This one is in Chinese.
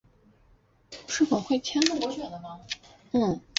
产品设计规格是产品生命周期管理中的文件之一。